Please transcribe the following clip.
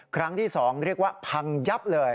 ครั้งที่๒เรียกว่าพังยับเลย